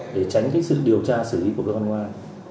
để tránh cái sự điều tra sử lý của các con ngoài